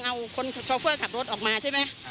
เพราะว่าเขากำลังเอาคนชอฟเฟอร์ขับรถออกมาใช่ไหม